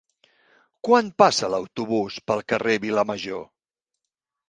Quan passa l'autobús pel carrer Vilamajor?